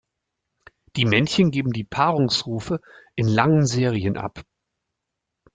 Die Männchen geben die Paarungsrufe in langen Serien ab.